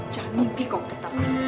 jangan bikau kita bangun